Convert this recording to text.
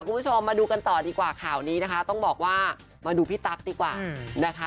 คุณผู้ชมมาดูกันต่อดีกว่าข่าวนี้นะคะต้องบอกว่ามาดูพี่ตั๊กดีกว่านะคะ